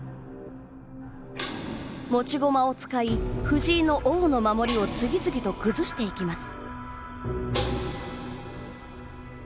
持ち駒を使い、藤井の王の守りを次々と崩していきます。